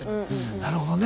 なるほどね。